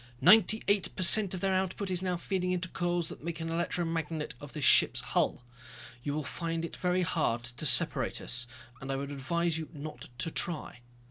"Ninety eight per cent of their output is now feeding into coils that make an electromagnet of this ship's hull. You will find it very hard to separate us. And I would advise you not to try."